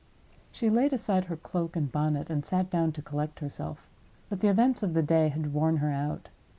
She laid aside her cloak and bonnet, and sat down to collect herself. But the events of the day had worn her out.